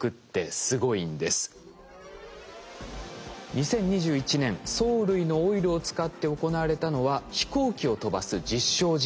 ２０２１年藻類のオイルを使って行われたのは飛行機を飛ばす実証実験です。